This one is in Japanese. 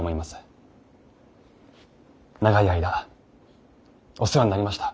長い間お世話になりました。